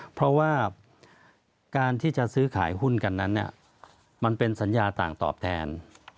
เพราะว่าการที่จะซื้อขายหุ้นกันนั้นมันเป็นสัญญาต่างตอบแทน